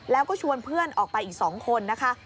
แล้วก็ชวนเพื่อนออกไปอีก๒คนนะคะ